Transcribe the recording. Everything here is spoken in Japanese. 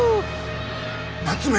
夏目